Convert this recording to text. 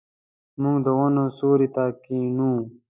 موږ د ونو سیوري ته کښینو.